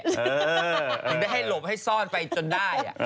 ถึงได้ให้หลบให้ซ่อนไปจนได้